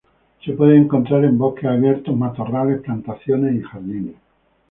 Se puede encontrar en bosques abiertos, matorrales, plantaciones y jardines.